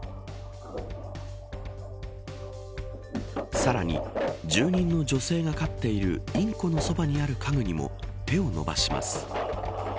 さらに住人の女性が飼っているインコのそばにある家具にも手を伸ばします。